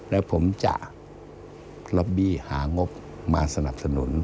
และผมจะมีระบบหางบมาสนับสนุน